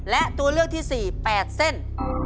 และตัวเลือกที่๔๘เส้น